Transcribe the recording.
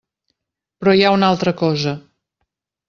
Però hi ha una altra cosa.